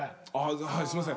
すいません。